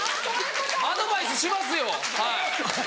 アドバイスしますよはい。